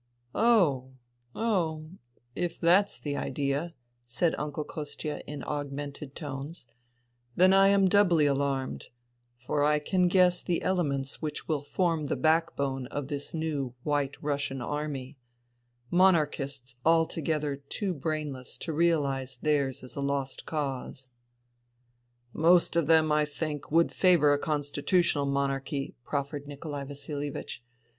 " Oh !... Oh I ... If that's the idea," said Uncle Kostia in augmented tones, " then I am doubly alarmed ; for I can guess the elements which will form the backbone of this new White Russian Army — monarchists altogether too brainless to realize that theirs is a lost cause." INTERVENING IN SIBERIA 189 " Most of them, I think, would favour a Consti tutional Monarchy," proffered Nikolai Vasilievich.